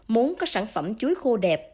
muốn có sản phẩm chuối khô đẹp